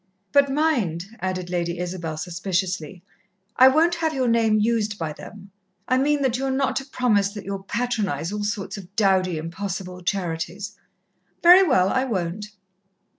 "But mind," added Lady Isabel suspiciously, "I won't have your name used by them. I mean that you are not to promise that you'll patronize all sorts of dowdy, impossible charities." "Very well, I won't."